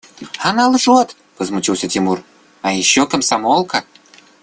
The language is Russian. – Она лжет, – возмутился Тимур, – а еще комсомолка!